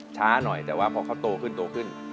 ช้าหน่อยแต่ว่าพอเขาโตขึ้น